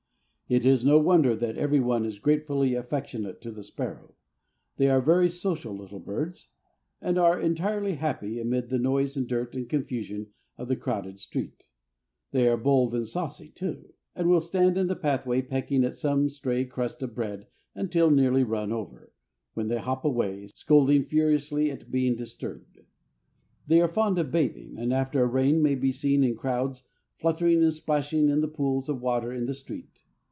It is no wonder that every one is gratefully affectionate to the sparrow. They are very social little birds, and are entirely happy amid the noise and dirt and confusion of the crowded street. They are bold and saucy too, and will stand in the pathway pecking at some stray crust of bread until nearly run over, when they hop away, scolding furiously at being disturbed. They are fond of bathing, and after a rain may be seen in crowds fluttering and splashing in the pools of water in the street.